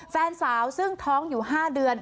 แฟนสาวซึ่งท้องอยู่๕เดือน